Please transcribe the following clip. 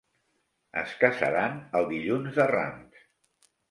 Es casaran el dilluns de Rams.